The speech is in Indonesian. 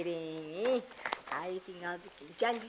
saya tinggal bikin janji